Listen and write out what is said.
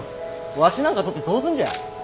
わしなんか撮ってどうすんじゃ？